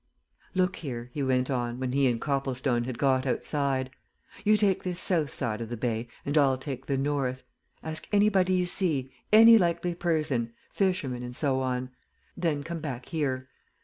Look here," he went on, when he and Copplestone had got outside, "you take this south side of the bay, and I'll take the north. Ask anybody you see any likely person fishermen and so on. Then come back here.